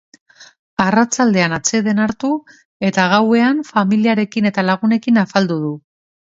Arratsaldean atseden hartu, eta gauean familiarekin eta lagunekin afaldu du.